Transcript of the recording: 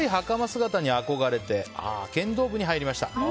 姿に憧れて剣道部に入りました。